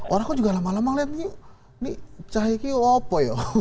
orang kok juga lama lama ngelihat nih nih cahaya ini apa ya